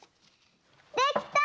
できた！